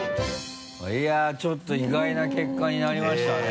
いやちょっと意外な結果になりましたね。